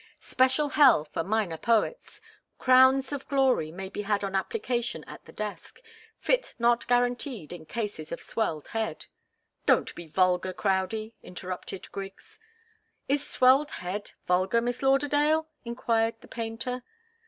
Special hell for minor poets. Crowns of glory may be had on application at the desk fit not guaranteed in cases of swelled head " "Don't be vulgar, Crowdie," interrupted Griggs. "Is 'swelled head' vulgar, Miss Lauderdale?" enquired the painter.